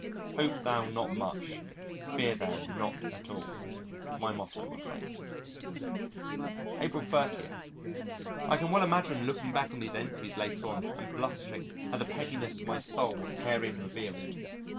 "Hope thou not much; fear thou not at all" my motto of late. April 30. I can well imagine looking back on these entries later on and blushing at the pettiness of my soul herein revealed....